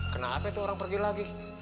kenapa itu orang pergi lagi